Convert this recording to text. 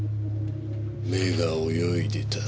目が泳いでた。